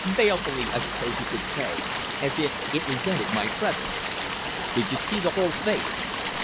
Balefully, I suppose you could say, as if it resented my presence." "Did you see the whole face?"